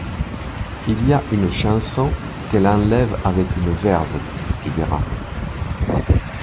Il y a une chanson qu'elle enlève avec une verve, tu verras …